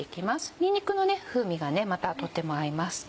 にんにくの風味がまたとても合います。